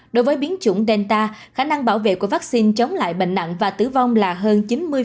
đối với biến chủng delta khả năng bảo vệ của vaccine chống lại bệnh nặng và tử vong là hơn chín mươi